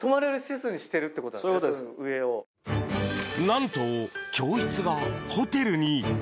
何と、教室がホテルに。